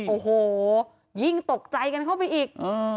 โอ้โหยิ่งตกใจกันเข้าไปอีก